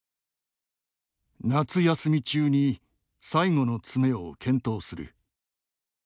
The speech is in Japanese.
「夏休み中に最後のつめを検討する」